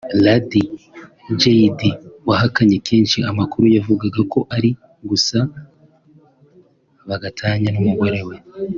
Lady Jaydee wahakanye kenshi amakuru yavugaga ko ari gusaba gatanya n’umugabo we